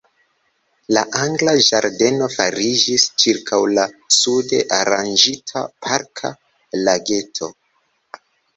La Angla ĝardeno fariĝis ĉirkaŭ la sude aranĝita Parka lageto.